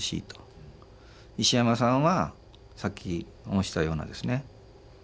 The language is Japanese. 石山さんはさっき申したようなですね